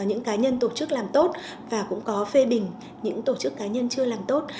những cá nhân tổ chức làm tốt và cũng có phê bình những tổ chức cá nhân chưa làm tốt